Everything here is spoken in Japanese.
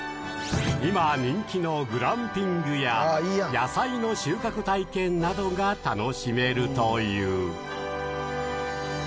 今人気のグランピングや野菜の収穫体験などが楽しめるという。